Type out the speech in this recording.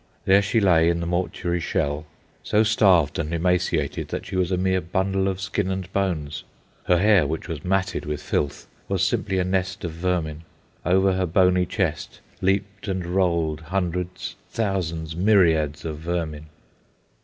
There she lay in the mortuary shell, so starved and emaciated that she was a mere bundle of skin and bones. Her hair, which was matted with filth, was simply a nest of vermin. Over her bony chest leaped and rolled hundreds, thousands, myriads of vermin!"